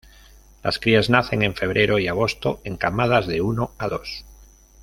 Las crías nacen en febrero y agosto en camadas de uno a dos.